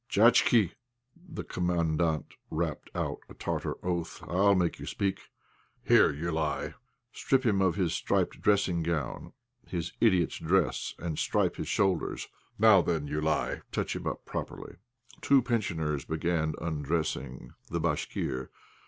"Jachki!" the Commandant rapped out a Tartar oath, "I'll make you speak. Here, Joulaï, strip him of his striped dressing gown, his idiot's dress, and stripe his shoulders. Now then, Joulaï, touch him up properly." Two pensioners began undressing the Bashkir.